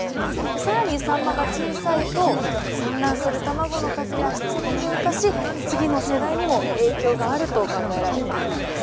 更にサンマが小さいと産卵する卵の数や質も低下し次の世代にも影響があると考えられているんです。